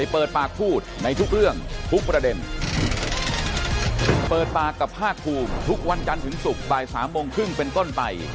เปิดตากับภาคภูมิทุกวันจันทร์ถึงศุกร์บ่าย๓โมงครึ่งเป็นต้นไป